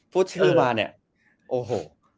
พูดชื่อมาเนี่ยโอ้โห